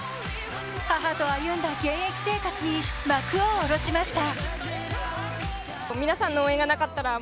母と歩んだ現役生活に幕を下ろしました。